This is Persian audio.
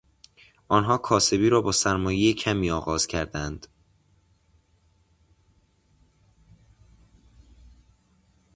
آنها کاسبی را با سرمایهی کمی آغاز کردند.